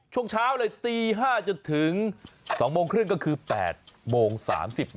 ช่วงเช้าเลยตี๕จนถึง๒โมงครึ่งก็คือ๘โมง๓๐นาที